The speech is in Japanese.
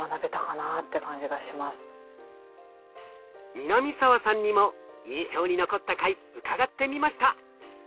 南沢さんにも印象に残った回伺ってみました！